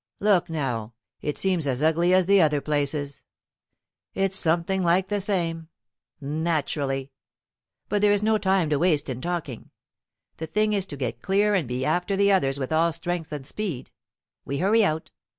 "Look now, it seems as ugly as the other places." "It's something like the same." "Naturally." But there is no time to waste in talking. The thing is to get clear and be after the others with all strength and speed. We hurry out.